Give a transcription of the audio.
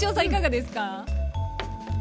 いかがですか？